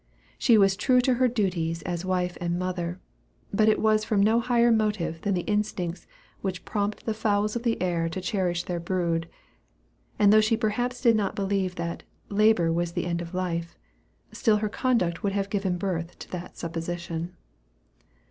She was true to her duties as wife and mother, but it was from no higher motive than the instincts which prompt the fowls of the air to cherish their brood; and though she perhaps did not believe that "labor was the end of life," still her conduct would have given birth to that supposition.